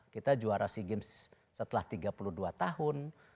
kita juara sea games setelah tiga puluh dua tahun